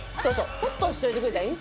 そっとしといてくれたらいい。